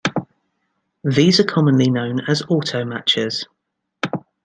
These are commonly known as 'auto-matchers'.